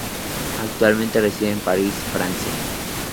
Actualmente reside en París, Francia.